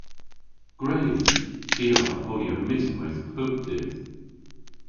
Gwredh! Ty a wra ponya myttinweyth pub dydh.